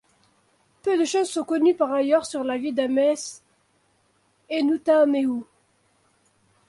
Peu de choses sont connues par ailleurs sur la vie d'Ahmès-Hénouttamehou.